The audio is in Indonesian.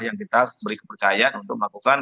yang kita beri kepercayaan untuk melakukan